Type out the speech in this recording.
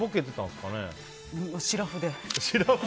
しらふで。